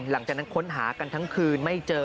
หลังจากนั้นค้นหากันทั้งคืนไม่เจอ